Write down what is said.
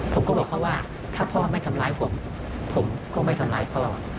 ผมก็บอกเขาว่าถ้าพ่อไม่ทำร้ายผมผมก็ไม่ทำร้ายพ่อ